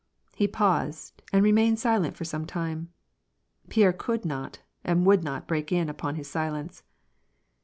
" He paused, and remained silent for some time. Pierre could not and would not break in upon his silence.